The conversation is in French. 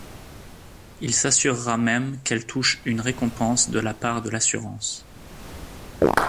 Il s'assurera même qu'elle touche une récompense de la part de l'assurance.